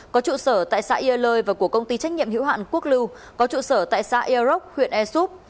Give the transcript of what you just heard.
có trụ sở tại xã yê lơi và của công ty trách nhiệm hữu hạn quốc lưu có trụ sở tại xã yê rốc huyện e soup